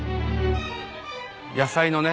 野菜のね